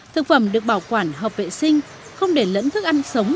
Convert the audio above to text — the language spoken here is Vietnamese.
thực phẩm được bảo quản hợp vệ sinh không để lẫn thức ăn sống